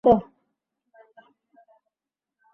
তোমরা যাকে ভালবাসো সে কী এখনও অবিবাহিত?